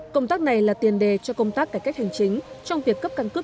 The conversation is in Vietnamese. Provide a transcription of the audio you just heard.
công tác này là tiền đề cho công tác cải cách hành chính trong việc cấp căn cước